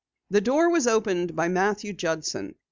The door was opened by Matthew Judson.